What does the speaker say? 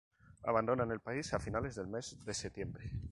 Abandonan el país a finales del mes de septiembre.